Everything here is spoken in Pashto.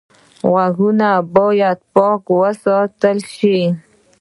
غوږونه باید پاک وساتل شي